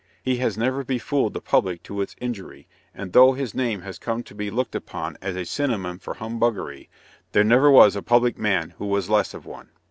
He has never befooled the public to its injury, and, though his name has come to be looked upon as a synonym for humbuggery, there never was a public man who was less of one.